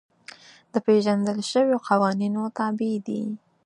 د پېژندل شویو قوانینو تابع دي.